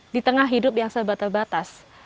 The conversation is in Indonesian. di tengah hidup yang serba terbatas